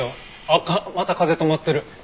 あかんまた風止まってる。